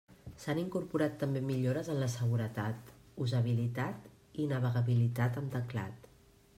S'han incorporat també millores en la seguretat, usabilitat i navegabilitat amb teclat.